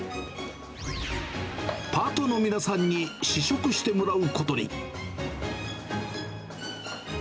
パートの皆さんに試食してもらうことに。